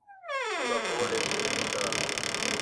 پورا کوڈ ہے زندگی تا